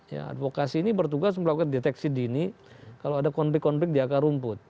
ya advokasi ini bertugas melakukan deteksi dini kalau ada konflik konflik di akar rumput